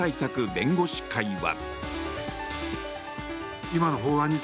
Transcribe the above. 弁護士会は。